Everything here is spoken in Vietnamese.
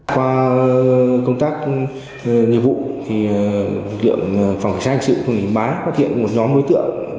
qua công tác nhiệm vụ thì phòng cảnh sát hình sự công an tỉnh yên bái phát hiện một nhóm bối tượng